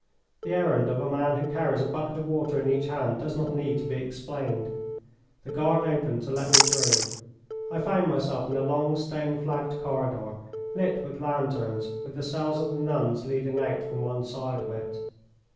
The errand of a man who carries a bucket of water in each hand does not need to be explained. The guard opened to let me through. I found myself in a long, stone flagged corridor, lit with lanterns, with the cells of the nuns leading out from one side of it.